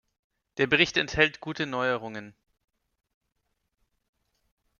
Der Bericht enthält gute Neuerungen.